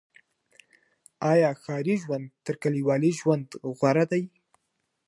آيا ښاري ژوند تر کليوالي ژوند غوره دی؟